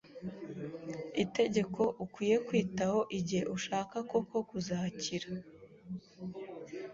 itegeko ukwiye kwitaho igihe ushaka koko kuzakira.